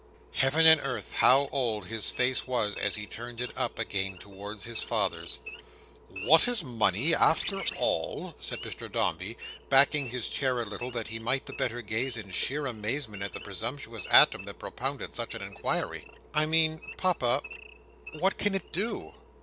Heaven and Earth, how old his face was as he turned it up again towards his father's! "What is money after all!" said Mr Dombey, backing his chair a little, that he might the better gaze in sheer amazement at the presumptuous atom that propounded such an inquiry. "I mean, Papa, what can it do?"